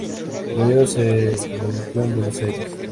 Luego se radicó en Buenos Aires.